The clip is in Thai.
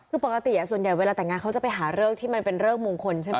คือปกติส่วนใหญ่เวลาแต่งงานเขาจะไปหาเลิกที่มันเป็นเริกมงคลใช่ไหม